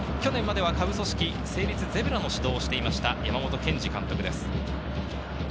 去年までは下部組織、成立ゼブラの指導をしていました、山本健二監督です。